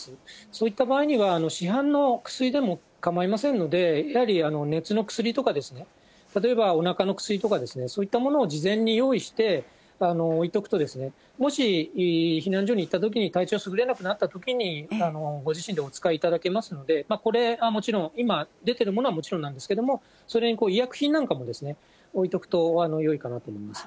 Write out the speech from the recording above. そういった場合には、市販の薬でも構いませんので、やはり熱の薬とかですね、例えばおなかの薬とかですね、そういったものを事前に用意して、置いておくと、もし避難所に行ったときに体調すぐれなくなったときに、ご自身でお使いいただけますので、これはもちろん、今出てるものはもちろんなんですけれども、それに医薬品なんかも置いとくとよいかなと思います。